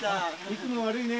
いつも悪いね。